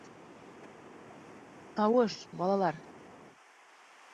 — Тауыш, балалар!